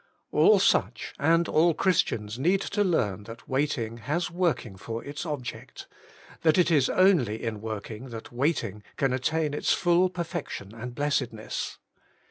All such, and all Christians, need to learn that waiting has working for its object, that it is only in working that waiting can attain its full perfection and blessedness.